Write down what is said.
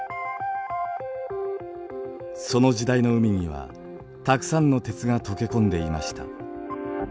その時代の海にはたくさんの鉄が溶け込んでいました。